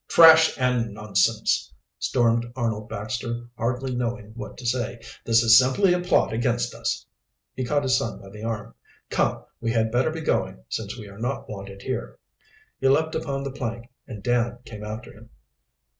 "Trash and nonsense!" stormed Arnold Baxter, hardly knowing what to say. "This is simply a plot against us." He caught his son by the arm. "Come, we had better be going, since we are not wanted here." He leaped upon the plank and Dan came after him.